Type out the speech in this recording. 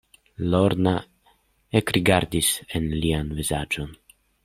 Lorna ekrigardis en lian vizaĝon.